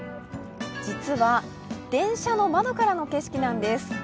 実は電車の窓からの景色なんです。